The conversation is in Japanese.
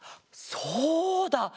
そうだ！